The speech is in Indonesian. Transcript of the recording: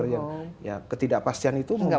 ya ketidakpastian itu membuat orang